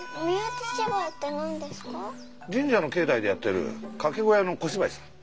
神社の境内でやってる掛け小屋の小芝居さ。